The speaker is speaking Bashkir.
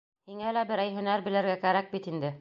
Һиңәлә берәй һөнәр белергә кәрәк бит инде.